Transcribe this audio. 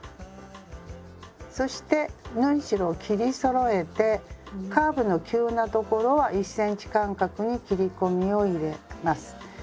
そして縫い代を切りそろえてカーブの急な所は１ｃｍ間隔に切り込みを入れます。